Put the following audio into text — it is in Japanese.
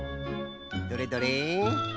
どれどれ？